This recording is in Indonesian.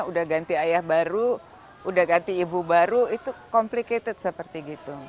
udah ganti ayah baru udah ganti ibu baru itu complicated seperti gitu